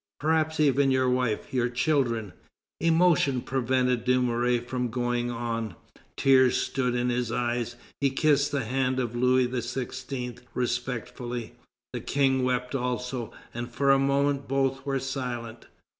Perhaps even your wife, your children..." Emotion prevented Dumouriez from going on. Tears stood in his eyes. He kissed the hand of Louis XVI. respectfully. The King wept also, and for a moment both were silent.